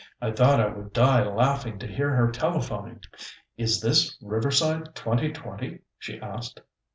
I thought I would die laughing to hear her telephoning. "Is this Riverside twenty twenty?" she asked.